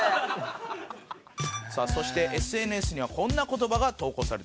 「さあそしてＳＮＳにはこんな言葉が投稿されてます」